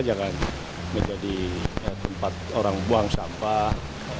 jangan menjadi tempat orang buang sampah